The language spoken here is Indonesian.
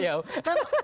bukan bukan bukan